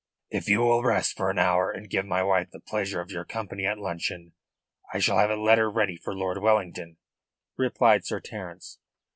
"If you will rest for an hour, and give my wife the pleasure of your company at luncheon, I shall have a letter ready for Lord Wellington," replied Sir Terence.